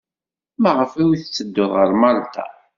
Maɣef ur tettedduḍ ɣer Malṭa?